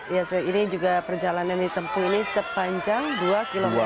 ya ini juga perjalanan ditempuh ini sepanjang dua km